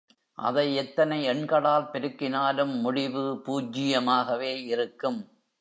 அதை எத்தனை எண்களால் பெருக்கினாலும் முடிவு பூஜ்யமாகவே இருக்கும்.